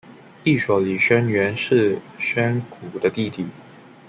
一说李宣远是宣古的弟弟。